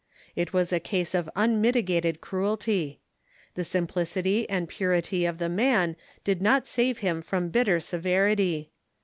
It was a case of unmitigated cruelty. The simplicity and purity of the man did not save him from bitter severity.